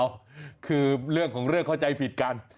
คือเรื่องของเรื่องเข้าใจผิดกัน